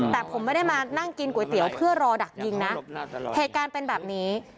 แต่ผมไม่ได้มานั่งกินก๋วยเตี๋ยวเพื่อรอดักยิงนะเหตุการณ์เป็นแบบนี้